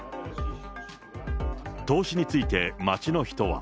投資について、街の人は。